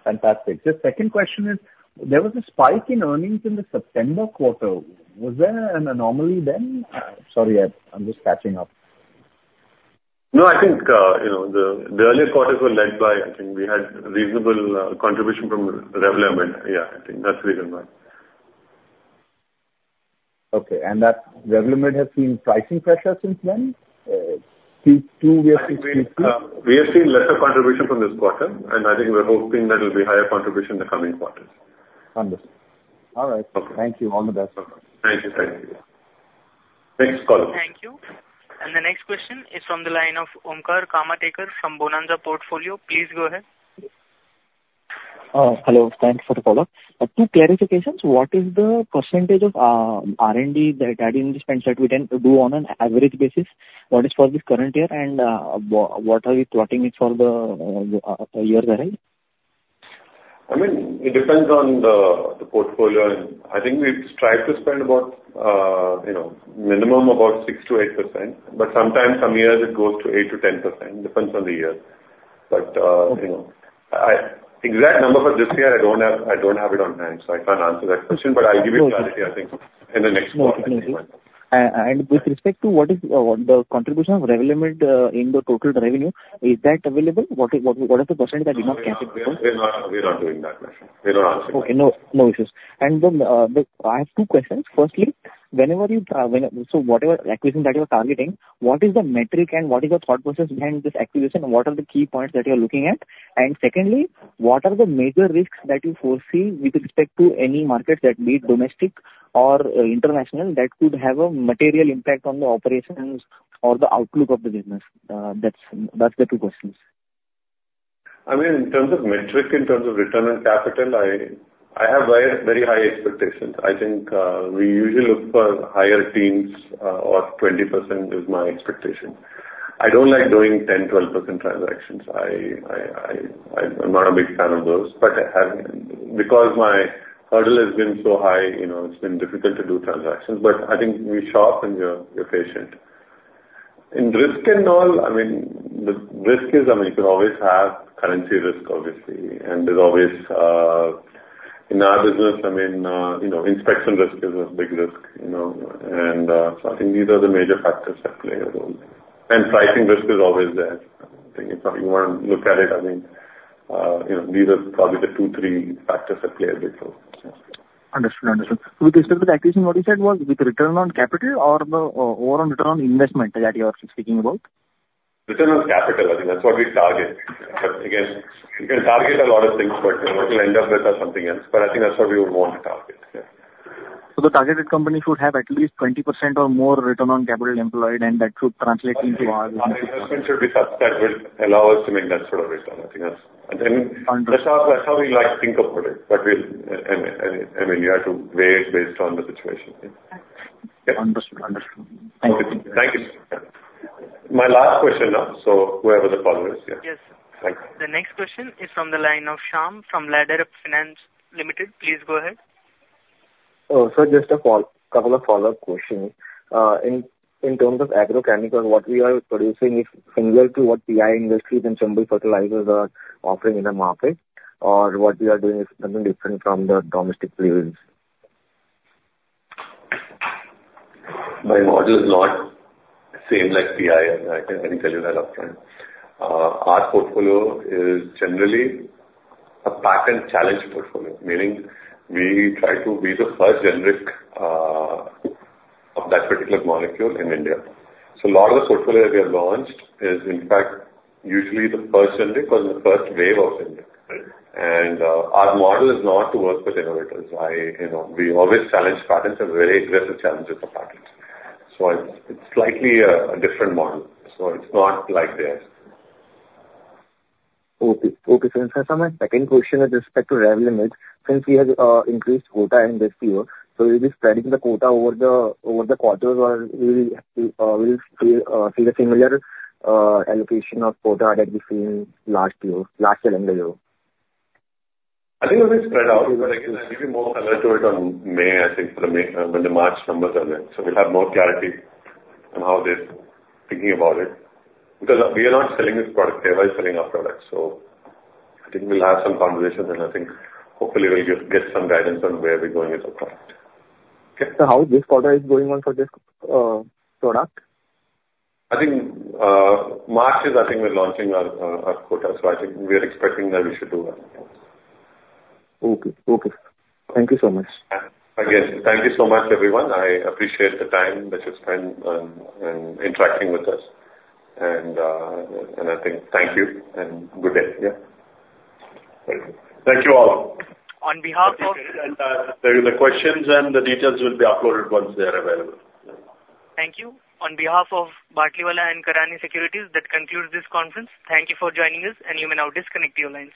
Fantastic. Just second question is, there was a spike in earnings in the September quarter. Was there an anomaly then? Sorry, I'm just catching up. No, I think the earlier quarters were led by I think we had reasonable contribution from Revlimid. Yeah, I think that's the reason why. Okay. And Revlimid has seen pricing pressure since then? Two years since 2023? We have seen lesser contribution from this quarter. I think we're hoping that it'll be higher contribution in the coming quarters. Understood. All right. Thank you. All the best. Thank you. Thank you. Next caller. Thank you. The next question is from the line ofOmkar Kamtekar from Bonanza Portfolio. Please go ahead. Hello. Thanks for the caller. Two clarifications. What is the percentage of R&D that Ambit said we can do on an average basis? What is for this current year, and what are we plotting it for the years ahead? I mean, it depends on the portfolio. I think we've strived to spend about minimum about 6%-8%. Sometimes, some years, it goes to 8%-10%. It depends on the year. The exact number for this year, I don't have it on hand, so I can't answer that question. I'll give you clarity, I think, in the next quarter anyway. With respect to what is the contribution of Revlimid in the total revenue, is that available? What is the percentage that we're not capping? We're not doing that question. We're not answering that. Okay. No issues. And I have two questions. Firstly, whenever you so whatever acquisition that you are targeting, what is the metric, and what is your thought process behind this acquisition? What are the key points that you are looking at? And secondly, what are the major risks that you foresee with respect to any markets that be domestic or international that could have a material impact on the operations or the outlook of the business? That's the two questions. I mean, in terms of metric, in terms of return on capital, I have very high expectations. I think we usually look for higher teens, or 20% is my expectation. I don't like doing 10, 12% transactions. I'm not a big fan of those. But because my hurdle has been so high, it's been difficult to do transactions. But I think we're sharp, and you're patient. In risk and all, I mean, the risk is I mean, you can always have currency risk, obviously. And there's always in our business, I mean, inspection risk is a big risk. And so I think these are the major factors that play a role. And pricing risk is always there. I think if you want to look at it, I mean, these are probably the two, three factors that play a big role. Understood. Understood. With respect to the acquisition, what you said was with return on capital or overall return on investment that you are speaking about? Return on capital, I think. That's what we target. But again, you can target a lot of things, but what you'll end up with is something else. But I think that's what we would want to target. Yeah. The targeted company should have at least 20% or more return on capital employed, and that should translate into our business. My hurdle should be such that will allow us to make that sort of return. I think that's how we like to think about it. But I mean, you have to weigh it based on the situation. Yeah. Understood. Understood. Thank you. Okay. Thank you. My last question now. So whoever the follower is, yeah. Yes. The next question is from the line of Shyam from Ladderup Finance Limited. Please go ahead. Sir, just a couple of follow-up questions. In terms of agrochemicals, what we are producing is similar to what PI Industries and Syngenta fertilizers are offering in the market? Or what we are doing is something different from the domestic producers? My model is not the same like PI, and I can tell you that upfront. Our portfolio is generally a patent-challenged portfolio, meaning we try to be the first generic of that particular molecule in India. So a lot of the portfolio that we have launched is, in fact, usually the first generic or the first wave of generic. And our model is not to work with innovators. We always challenge patents and very aggressive challenges of patents. So it's slightly a different model. So it's not like theirs. Okay. Okay. So in fact, my second question with respect to Revlimid, since we have increased quota in this year, so will we be spreading the quota over the quarters, or will we see a similar allocation of quota that we've seen last year, last year and the year? I think it'll be spread out. But again, I'll give you more color to it on May, I think, when the March numbers are there. So we'll have more clarity on how they're thinking about it. Because we are not selling this product. They are selling our product. So I think we'll have some conversations, and I think, hopefully, we'll get some guidance on where we're going with our product. Okay? How this quota is going on for this product? I think March is, I think, we're launching our quota. So I think we are expecting that we should do well. Okay. Okay. Thank you so much. Again, thank you so much, everyone. I appreciate the time that you spend interacting with us. And I think thank you, and good day. Yeah. Thank you all. On behalf of. The questions and the details will be uploaded once they are available. Thank you. On behalf of Batlivala & Karani Securities, that concludes this conference. Thank you for joining us, and you may now disconnect your lines.